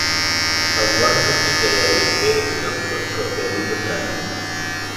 قەزوان گوتی دەیەوێت فێری بکەم چۆن شۆفێری بکات.